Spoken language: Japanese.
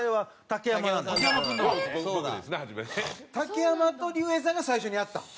竹山と竜兵さんが最初にやった？